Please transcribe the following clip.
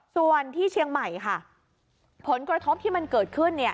ส่วนที่เชียงใหม่ค่ะผลกระทบที่มันเกิดขึ้น